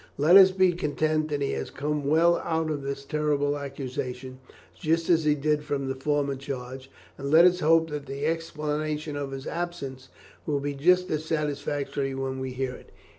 Let us be content that he has come well out of this terrible accusation, just as he did from the former charge, and let us hope that the explanation of his absence will be just as satisfactory when we hear it.